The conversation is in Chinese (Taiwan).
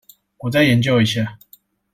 我再研究一下